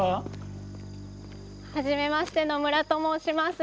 はじめまして野村と申します。